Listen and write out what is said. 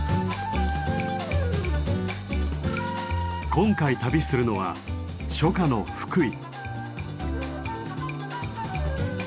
今回旅するのは初夏の福井。